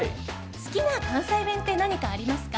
好きな関西弁って何かありますか？